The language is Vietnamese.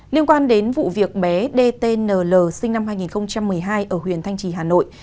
liên quan đến vụ việc bé dtnl sinh năm hai nghìn một mươi hai ở huyện thanh trì hà nội